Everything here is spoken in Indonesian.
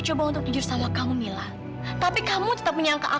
contoh contoh kalau korbipan jaeroban masih takiego itu ribet sama hadrainya ya